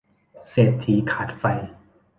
เศรษฐีขาดไฟ